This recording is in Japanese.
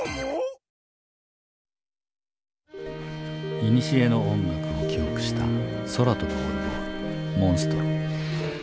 いにしえの音楽を記憶した空飛ぶオルゴール「モンストロ」。